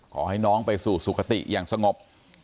ขอให้น้องไปสู่สุขติอย่างสงบ